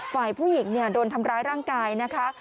ฝ่ายผู้หญิงโดนทำร้ายร่างกายนะคะ